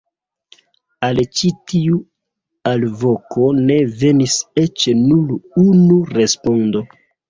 Al ĉi tiu alvoko ne venis eĉ nur unu respondo!